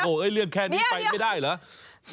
เรื่องแค่นี้ไปไม่ได้เหรอ